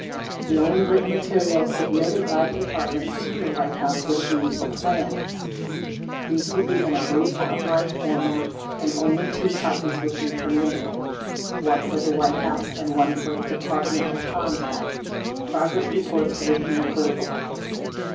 The only written material submitted by the Departments to the White House would be the plans. These would be in a brief outline format and only two copies would be permitted — one for the White House and one for the Departmental contact. Progress re ports would be verbal.